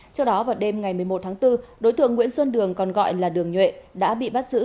trước đó vào đêm ngày một mươi một tháng bốn đối tượng nguyễn xuân đường còn gọi là đường nhuệ đã bị bắt giữ